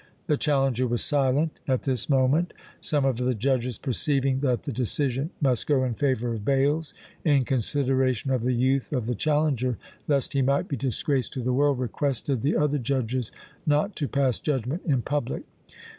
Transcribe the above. The challenger was silent! At this moment some of the judges perceiving that the decision must go in favour of Bales, in consideration of the youth of the challenger, lest he might be disgraced to the world, requested the other judges not to pass judgment in public.